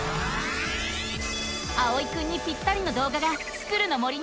あおいくんにぴったりのどうがが「スクる！の森」にあらわれた。